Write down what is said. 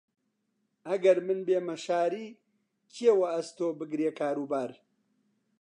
ئەگەر من بێمە شاری، کێ وەئەستۆ بگرێ کاروبار؟